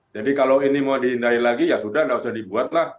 jadi kalau ini mau dihindari lagi ya sudah tidak usah dibuatlah